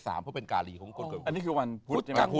เพราะเป็นกาลีของคนเกิดวันพุทธ